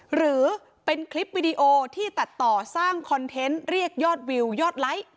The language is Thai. หรือเป็นคลิปวิดีโอที่ตัดต่อสร้างคอนเทนต์เรียกยอดวิวยอดไลค์